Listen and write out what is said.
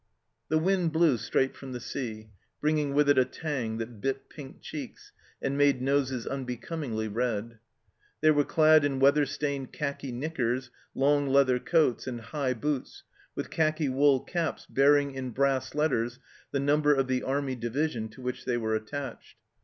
The wind blew straight from the sea, bringing with it a tang that bit pink cheeks and made noses unbecomingly red. They were clad in weather stained khaki knickers, long leather coats, and high boots, with khaki wool caps bearing in brass letters the number of the army division to which they were attached.